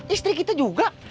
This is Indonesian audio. istri kita juga